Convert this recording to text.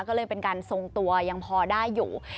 ก็เลยเป็นการทรงตัวยังพอได้อยู่